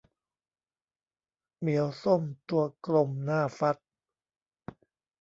เหมียวส้มตัวกลมน่าฟัด